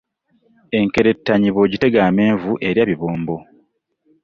Enkerettanyi bw'ogitega amenvu erya bibbombo.